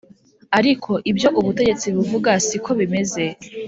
ariko ibyo ubutegetsi buvuga siko bimeze